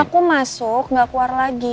aku masuk gak keluar lagi